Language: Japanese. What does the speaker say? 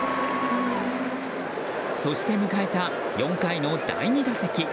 そして迎えた４回の第２打席。